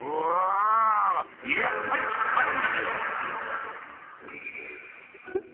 やっぱり、つっぱり！